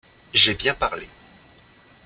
J’ai bien parlé.